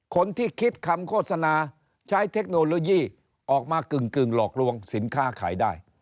คนที่คิดคำโฆษณาใช้เทคโนโลยีออกมากึ่งหลอกลวงสินค้าขายได้